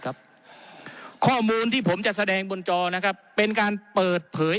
ข้อมูลที่ผมจะแสดงบนจอนะครับเป็นการเปิดเผย